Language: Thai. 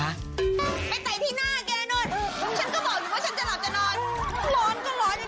ไปไต่ที่หน้าแกนู้น